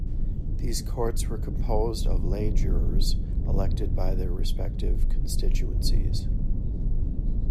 These courts were composed of lay jurors elected by their respective constituencies.